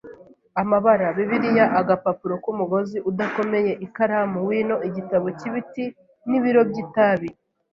amabara, Bibiliya, agapapuro k'umugozi udakomeye, ikaramu, wino, igitabo cy'ibiti, n'ibiro by'itabi.